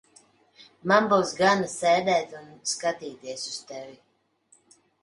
Man būs gana sēdēt un skatīties uz tevi.